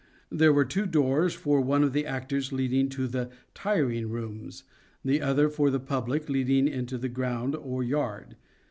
There were two doors — one for the actors leading to the " tiring " rooms, the other for the public leading into the ground or yard.